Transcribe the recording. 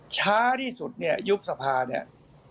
ช้าที่สุดเนี่ยยุบสภาเนี่ย